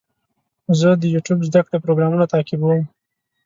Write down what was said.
زه د یوټیوب زده کړې پروګرامونه تعقیبوم.